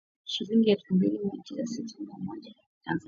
Shilingi elfu mbili mia sita tisini na moja za Tanzania